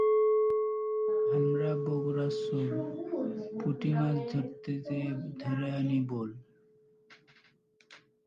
একটি আদি নিউট্রন শিকল বিক্রিয়া ঘটতে অবশ্যই নির্দিষ্ট শর্তে নির্দিষ্ট স্থানে একটি সর্বনিম্ন ভরের প্রাসঙ্গিক আইসোটোপ থাকতে হবে।